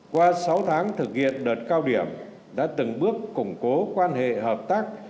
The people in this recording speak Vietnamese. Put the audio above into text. qua sáu tháng thực hiện đợt cao điểm đã từng bước củng cố quan hệ hợp tác